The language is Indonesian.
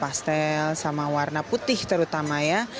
pastel sama warna putih terutama ya